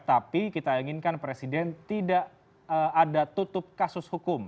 tapi kita inginkan presiden tidak ada tutup kasus hukum